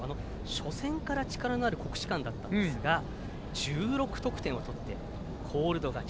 初戦から力があったんですが１６得点を取って、コールド勝ち。